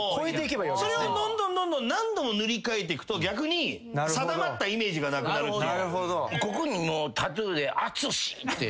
それをどんどんどんどん何度も塗り替えていくと逆に定まったイメージがなくなるっていう。